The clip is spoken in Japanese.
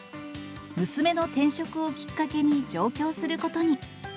娘の転職をきっかけに上京することに。